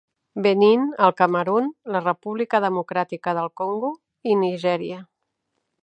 Benín, el Camerun, la República Democràtica del Congo i Nigèria.